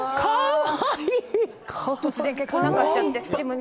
突然結婚なんかしちゃってでもね